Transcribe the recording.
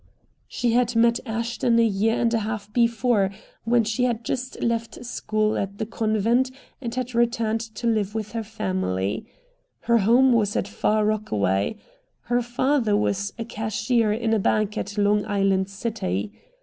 She had met Ashton a year and a half before, when she had just left school at the convent and had returned to live with her family. Her home was at Far Rockaway. Her father was a cashier in a bank at Long Island City.